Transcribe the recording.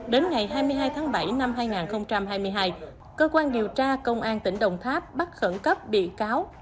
đến ngày hai mươi hai tháng bảy năm hai nghìn hai mươi hai cơ quan điều tra công an tỉnh đồng tháp bắt khẩn cấp bị cáo